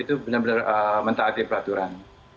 itu benar benar mentaati peraturan